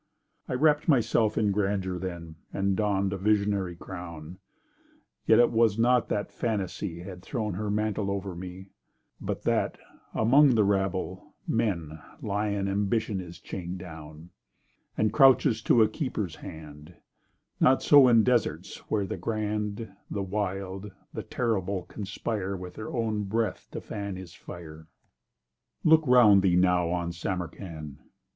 I wrapp'd myself in grandeur then, And donn'd a visionary crown— Yet it was not that Fantasy Had thrown her mantle over me— But that, among the rabble—men, Lion ambition is chain'd down— And crouches to a keeper's hand— Not so in deserts where the grand The wild—the terrible conspire With their own breath to fan his fire. Look 'round thee now on Samarcand!